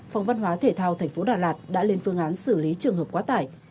phòng văn hóa thể thao thành phố đà lạt đã lên phương án xử lý trường hợp quá tải